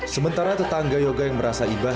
sementara tetangga yoga yang merasa ibah